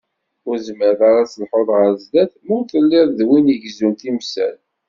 Ur tezmireḍ ara ad telḥuḍ ɣer sdat, ma ur telliḍ d win igezzun timsal.